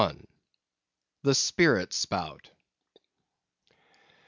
The Spirit Spout.